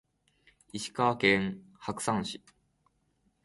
石川県白山市